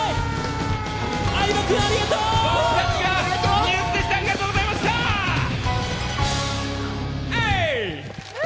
相葉君、ありがとう！